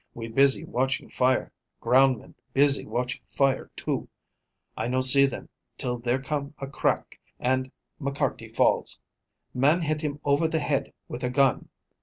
We busy watching fire, ground men busy watching fire, too. I no see them till there come a crack and McCarty falls. Man hit him over the head with a gun.